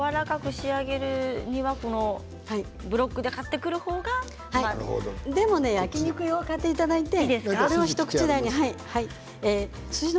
やわらかく仕上げるにはブロックで買ってくる方がいい焼き肉用を買っていただいて一口大にしてもいいですよ。